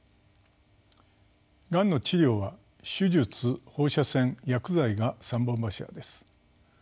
がんの治療は手術放射線薬剤が三本柱です。